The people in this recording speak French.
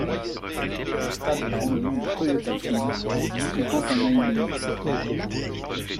Le stade prend le nom de Toyota Field, appliquant un naming.